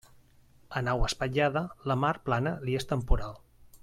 A nau espatllada, la mar plana li és temporal.